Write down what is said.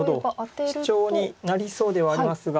なるほどシチョウになりそうではありますが。